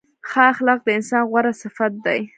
ښه اخلاق د انسان غوره صفت دی.